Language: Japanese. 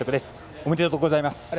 おめでとうございます。